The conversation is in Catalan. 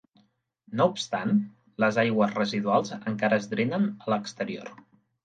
No obstant, les aigües residuals encara es drenaven a l'exterior.